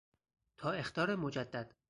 تا اخطار مجدد